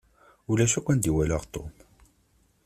Ulac akk anda i walaɣ Tom.